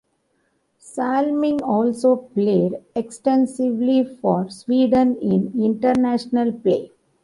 Salming also played extensively for Sweden in international play.